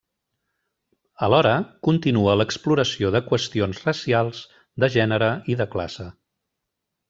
Alhora, continua l'exploració de qüestions racials, de gènere i de classe.